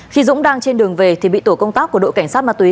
khi dũng đang trên đường về thì bị tổ công tác của đội cảnh sát ma túy